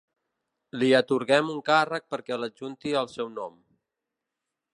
Li atorguem un càrrec perquè l'adjunti al seu nom.